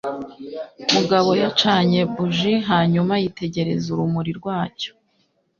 Mugabo yacanye buji hanyuma yitegereza urumuri rwacyo.